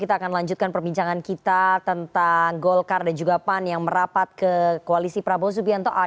kita akan lanjutkan perbincangan kita tentang golkar dan juga pan yang merapat ke koalisi prabowo subianto